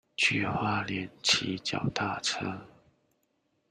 去花蓮騎腳踏車